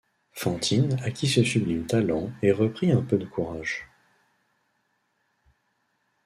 Fantine acquit ce sublime talent et reprit un peu de courage.